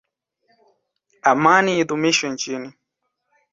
Amani idhumishwe nchini.